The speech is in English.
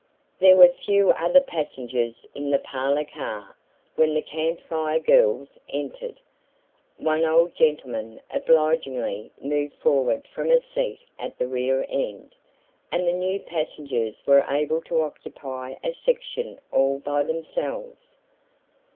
There were few other passengers in the parlor car when the Camp Fire Girls entered. One old gentleman obligingly moved forward from a seat at the rear end, and the new passengers were able to occupy a section all by themselves.